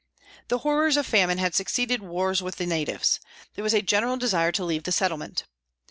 The horrors of famine had succeeded wars with the natives. There was a general desire to leave the settlement.